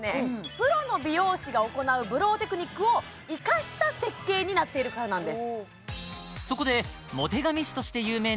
プロの美容師が行うブローテクニックを生かした設計になっているからなんです